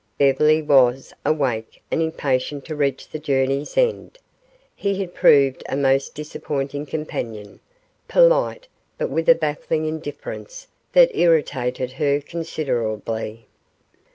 Beverly was awake and impatient to reach the journey's end. He had proved a most disappointing companion, polite, but with a baffling indifference that irritated her considerably.